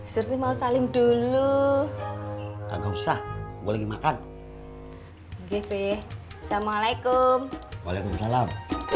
serti mau saling dulu enggak usah boleh makan gb assalamualaikum waalaikumsalam